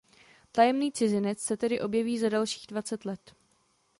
Tajemný cizinec se tedy objeví za dalších dvacet let.